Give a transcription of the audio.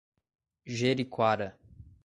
Jeriquara